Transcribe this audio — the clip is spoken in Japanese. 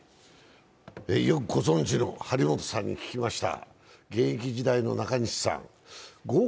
よくご存じの張本さんに聞きました。